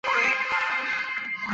股间有显着的红棕色的大斑。